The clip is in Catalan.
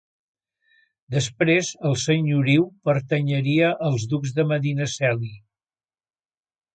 Després el senyoriu pertanyeria als ducs de Medinaceli.